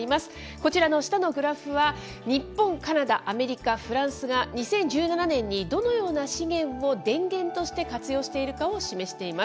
こちらの下のグラフは、日本、カナダ、アメリカ、フランスが、２０１７年にどのような資源を電源として活用しているかを示しています。